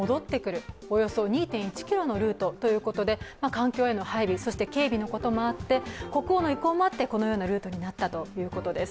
環境への配慮、警備のこともあって国王の意向もあって、このようなルートになったということです。